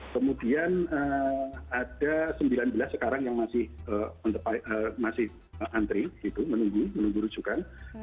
kemudian ada sembilan belas sekarang yang masih antri gitu menunggu menunggu rujukan